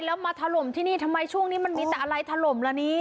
แล้วมาถล่มที่นี่ทำไมช่วงนี้มันมีแต่อะไรถล่มละนี่